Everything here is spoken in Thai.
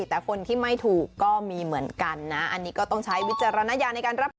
แต่คนที่ไม่ถูกก็มีเหมือนกันนะอันนี้ก็ต้องใช้วิจารณญาณในการรับชม